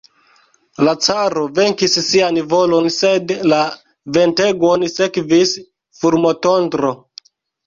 La caro venkis sian volon, sed la ventegon sekvis fulmotondro.